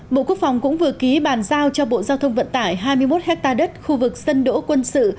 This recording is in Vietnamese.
bộ quốc phòng cũng vừa ký bàn giao cho bộ giao thông vận tải hai mươi một hectare đất khu vực sân đỗ quân sự